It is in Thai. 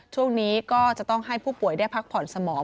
ช่วงนี้ก็จะต้องให้ผู้ป่วยได้พักผ่อนสมอง